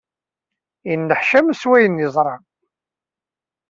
Yenneḥcam seg wayen yeẓra.